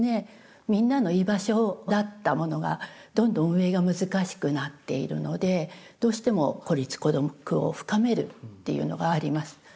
みんなの居場所だったものがどんどん運営が難しくなっているのでどうしても孤立・孤独を深めるっていうのがあります。